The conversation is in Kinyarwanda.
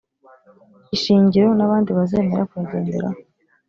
ishingiro n abandi bazemera kuyagenderaho